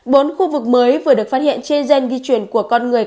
bốn khu vực mới vừa được phát hiện trên gen di chuyển của con người